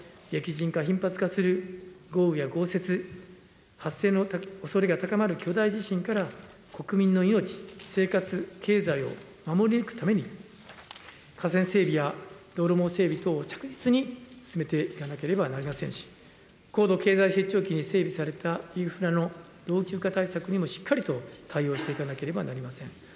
併せて、岸田内閣においても、災害は準備ができるまで待ってくれないという考えの下、激甚化・頻発化する豪雨や豪雪、発生のおそれが高まる巨大地震から国民の命、生活、経済を守り抜くために、河川整備や道路網整備等を着実に進めていかなければなりませんし、高度経済成長期に整備されたインフラの老朽化対策にもしっかりと対応していかなければなりません。